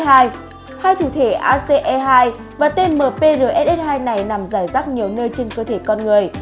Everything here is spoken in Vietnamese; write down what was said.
hai thủ thể ace hai và tmprss hai này nằm rải rắc nhiều nơi trên cơ thể con người